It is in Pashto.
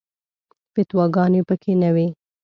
فتواګانې په کې نه وي.